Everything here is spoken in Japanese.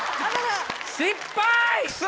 失敗！